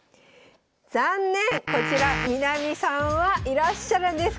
こちら南さんはいらっしゃるんです。